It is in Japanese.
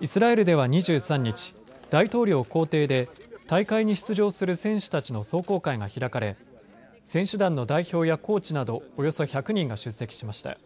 イスラエルでは２３日、大統領公邸で大会に出場する選手たちの壮行会が開かれ、選手団の代表やコーチなどおよそ１００人が出席しました。